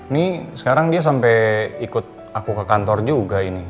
nih sekarang dia sampai ikut aku ke kantor juga ini